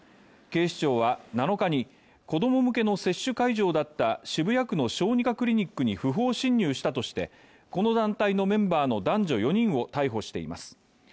警視庁は、７日に、子供向けの接種会場だった渋谷区の小児科クリニックに不法侵入したとしてこの団体のメンバーの男女４人を逮捕しています。